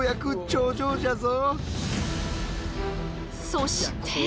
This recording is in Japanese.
そして。